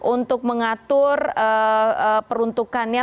untuk mengatur peruntukannya